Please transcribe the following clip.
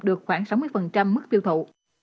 được khoảng sáu mươi mức tiêu thụ